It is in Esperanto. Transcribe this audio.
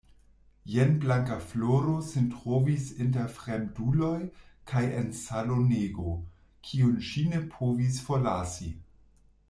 Jen Blankafloro sin trovis inter fremduloj kaj en salonego, kiun ŝi ne povis forlasi.